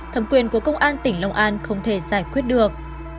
thẩm quyền của công an tỉnh long an không thể giải quyết được